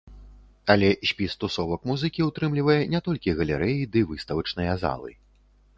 Але спіс тусовак музыкі ўтрымлівае не толькі галерэі ды выставачныя залы.